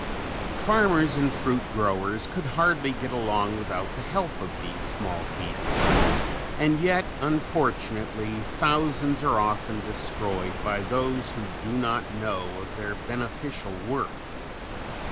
Farmers and fruit growers could hardly get along without the help of these small beetles and yet unfortunately thousands are often destroyed by those who do not know of their beneficial work.